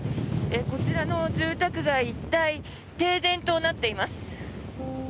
こちらの住宅街一帯停電となっています。